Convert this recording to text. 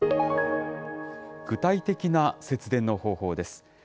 具体的な節電の方法です。